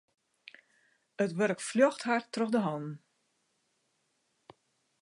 It wurk fljocht har troch de hannen.